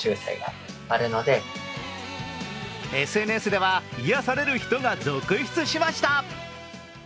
ＳＮＳでは、癒される人が続出しました。